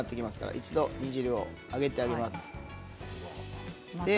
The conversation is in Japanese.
一度、煮汁を上げてあげます。